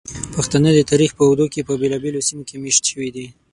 پښتانه د تاریخ په اوږدو کې په بېلابېلو سیمو کې میشت شوي دي.